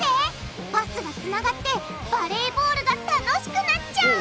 パスがつながってバレーボールが楽しくなっちゃう！